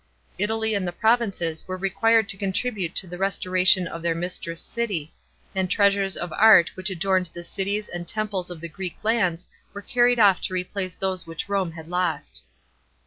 Italv and the provinces were required to contribute to the restoration of their mi tress city, and treasures of art which adorned rhe ci'ies and temples of the Greek lands were carried off to replace those which Rome had lose.